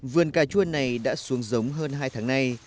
vườn cà chua này đã xuống giống hơn hai tháng nay